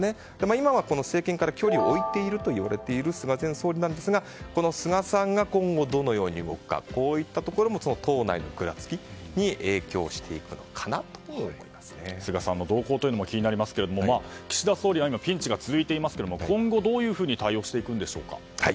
今は政権から距離を置いているといわれている菅前総理ですがこの菅さんが今後どのように動くかこういったところも党内のぐらつきに菅さんの動向も気になりますが岸田総理は今、ピンチが続いていますが今度どのように対応していくのでしょうか。